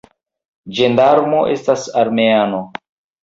Ĝendarmo estas armeano.